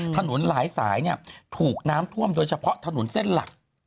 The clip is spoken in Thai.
ถนนหลายสายถูกน้ำท่วมโดยเฉพาะถนนเส้นหลัก